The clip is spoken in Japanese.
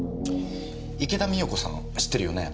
池田美代子さん知ってるよね？